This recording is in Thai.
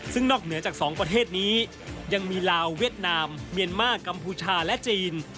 ซึ่งนอกเหนือจาก๒ประเทศนี้ยังมีลาวเวียดนามเมียนมากกัมพูชาและจีน